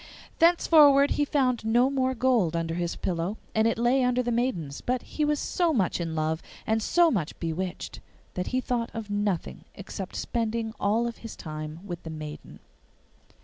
Thenceforward he found no more gold under his pillow, and it lay under the maiden's; but he was so much in love and so much bewitched that he thought of nothing except spending all his time with the maiden.